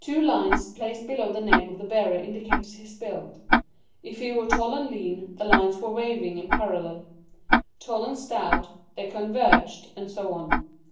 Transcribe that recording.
Two lines placed below the name of the bearer indicated his build. If he were tall and lean, the lines were waving and parallel ; tall and stout, they converged ; and so on.